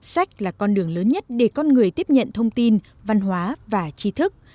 sách là con đường lớn nhất để con người tiếp nhận thông tin văn hóa và chi thức